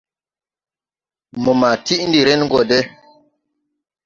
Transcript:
Mo ma tiʼ ndi ren go de!